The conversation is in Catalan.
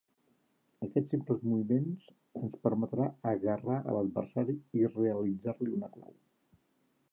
Aquests simples moviments ens permetrà agarrar a l'adversari i realitzar-li una clau.